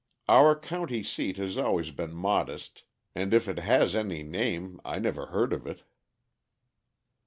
Our county seat has always been modest, and if it has any name I never heard of it."